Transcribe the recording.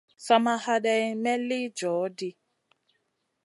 Sa ma haɗeyn may li joh ɗi.